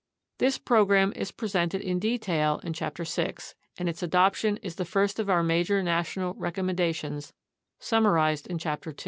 This program is presented in detail in Chapter 6, and its adoption is the first of our major national recommendations summarized in Chapter 2.